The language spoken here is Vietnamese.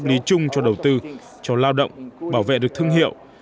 điểm thứ ba là chúng ta sẽ có một khung pháp lý chung cho đầu tư cho lao động bảo vệ được thương hiệu